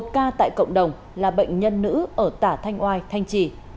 một ca tại cộng đồng là bệnh nhân nữ ở tả thanh oai thanh trì